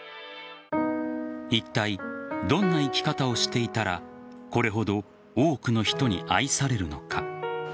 いったいどんな生き方をしていたらこれほど多くの人に愛されるのか。